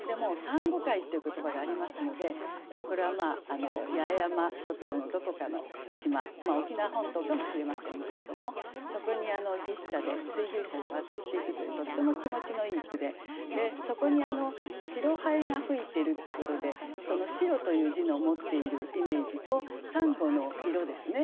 「珊瑚海」っていう言葉がありますのでこれは八重山諸島のどこかの島沖縄本島かもしれませんけれどもそこに牛車で水牛車で渡っていくというとっても気持ちのいい句でそこに「白南風」が吹いてるってことでその「白」という字の持っているイメージと珊瑚の色ですね。